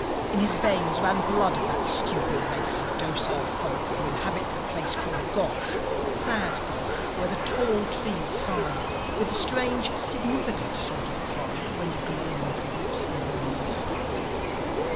In his veins ran blood of that stupid race Of docile folk, who inhabit the place Called Gosh, sad Gosh, where the tall trees sigh With a strange, significant sort of cry When the gloaming creeps and the wind is high.